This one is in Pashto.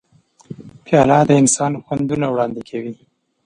پیاله د انسان خوندونه وړاندې کوي.